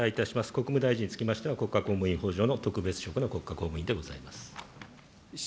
国務大臣につきましては、国家公務員法上の特別職の国家公務員でございます。